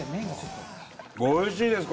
おいしいです